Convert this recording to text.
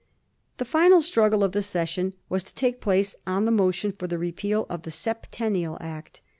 The final struggle of the session was to take place on the motion for the repeal of the Septennial Act.